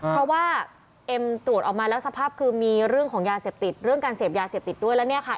เพราะว่าเอ็มตรวจออกมาแล้วสภาพคือมีเรื่องของยาเสพติดเรื่องการเสพยาเสพติดด้วยแล้วเนี่ยค่ะ